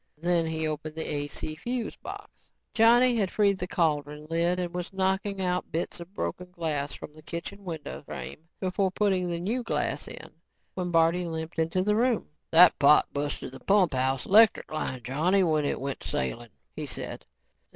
Then he opened the AC fuse box. Johnny had freed the cauldron lid and was knocking out bits of broken glass from the kitchen window frame before putting in the new glass when Barney limped into the room. "That pot busted the pump house 'lectric line, Johnny, when it went sailing," he said.